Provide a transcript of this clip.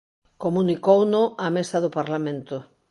Comunicouno á Mesa do Parlamento.